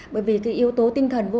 bởi vì yếu tố tinh thần vô kỳ